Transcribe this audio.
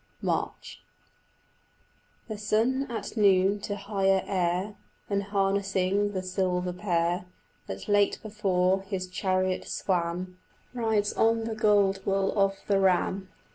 X MARCH The sun at noon to higher air, Unharnessing the silver Pair That late before his chariot swam, Rides on the gold wool of the Ram.